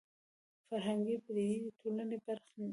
فرهنګي پدیدې د ټولنې برخه دي